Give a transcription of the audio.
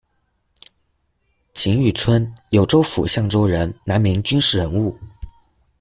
覃裕春，柳州府象州人，南明军事人物。